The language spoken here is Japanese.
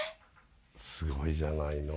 すごいじゃないの。